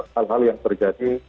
hal hal yang terjadi